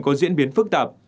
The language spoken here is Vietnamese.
có diễn biến phức tạp